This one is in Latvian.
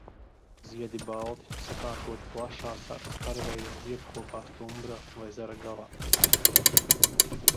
Ziedi balti, sakārtoti plašā skarveida ziedkopā stumbra vai zara galā.